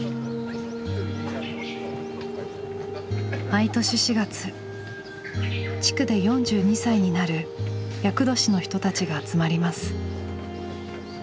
毎年４月地区で４２歳になる厄年の人たちが集まります。